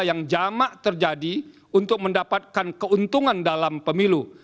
yang jamak terjadi untuk mendapatkan keuntungan dalam pemilu